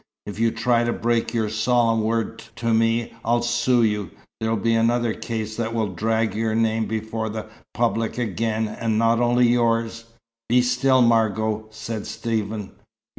If you try to break your solemn word to me, I'll sue you. There'll be another case that will drag your name before the public again, and not only yours " "Be still, Margot," said Stephen.